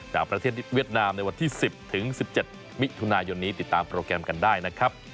จากประเทศเวียดนามในวันที่๑๐๑๗มิถุนายนนี้ติดตามโปรแกรมกันได้นะครับ